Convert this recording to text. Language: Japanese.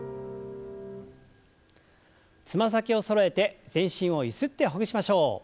つま先をそろえて全身をゆすってほぐしましょう。